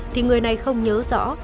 thì người này không nhớ rõ